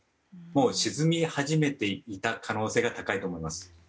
沈み始めていた可能性が高いと思います。